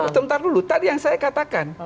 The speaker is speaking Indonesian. sebentar dulu tadi yang saya katakan